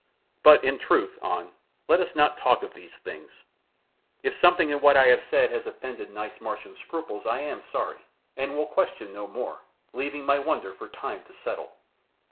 But in truth, An, let us not talk of these things; if something in what I have said has offended nice Martian scruples I am sorry, and will question no more, leaving my wonder for time to settle."